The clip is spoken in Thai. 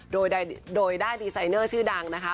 โดยได้ดีไซเนอร์ชื่อดังนะคะ